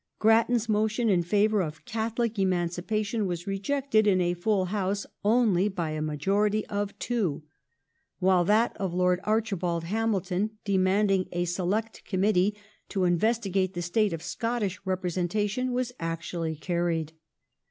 Grattan's motion Commons j^ favour of Catholic emancipation was rejected in a full House only by a majority of two, while that of Lord Archibald Hamilton demanding a Select Committee to investigate the state of Scottish representation was actually can'ied.